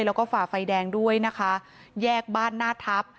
แล้วก็ฝ่าไฟแดงด้วยนะคะแยกบ้านหน้าทัพ